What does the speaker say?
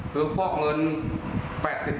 มีท่องเงิน